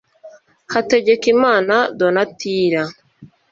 Hategekimana Donatilla